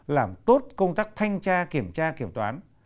làm tốt công tác thanh tra kiểm tra kiểm toán